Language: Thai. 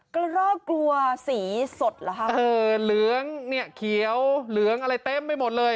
กระรอกกลัวสีสดเหรอคะเออเหลืองเนี่ยเขียวเหลืองอะไรเต็มไปหมดเลย